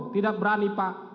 tidak berani pak